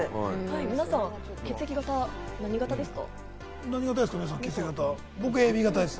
皆さん、血液型は何型ですか？